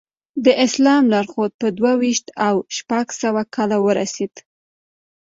د اسلام لارښود په دوه ویشت او شپږ سوه کال ورسېد.